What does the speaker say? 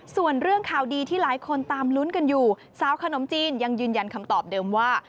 ส่วนเรื่องข่าวดีที่หลายคนตามลุ้นกันอยู่สาวขนมจีนยังยืนยันคำตอบเดิมว่า